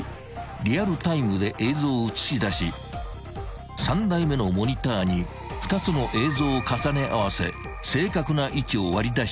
リアルタイムで映像を映し出し３台目のモニターに２つの映像を重ね合わせ］